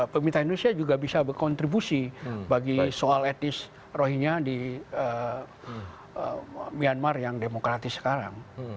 pemerintah indonesia juga bisa berkontribusi bagi soal etnis rohinya di myanmar yang demokratis sekarang